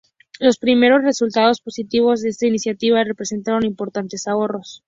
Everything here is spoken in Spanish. Los primeros resultados positivos de esta iniciativa representaron importantes ahorros.